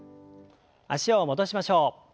脚を戻しましょう。